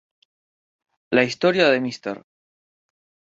La historia de Mr.